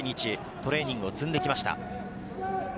トレーニングを積んできました。